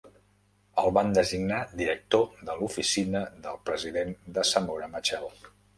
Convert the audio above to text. El van designar director de l'oficina del President de Samora Machel.